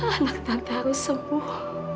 anak tante harus sembuh